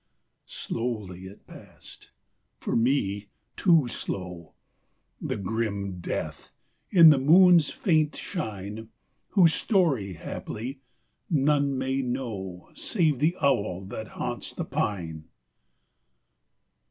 Slowly it passed; for me too slow! The grim Death, in the moon's faint shine, Whose story, haply, none may know Save th' owl that haunts the pine.